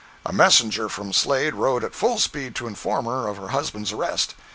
A messenger from Slade rode at full speed to inform her of her husband's arrest.